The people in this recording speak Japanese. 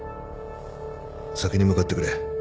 先に向かってくれ。